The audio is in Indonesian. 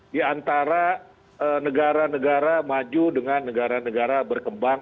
di antara negara negara maju dengan negara negara berkembang